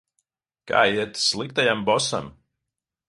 Kā iet sliktajam bosam?